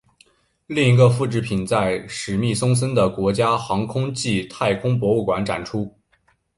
另外一个复制品在史密松森的国家航空暨太空博物馆展出。